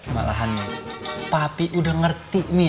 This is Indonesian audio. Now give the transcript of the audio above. maklahan mi papi udah ngerti nih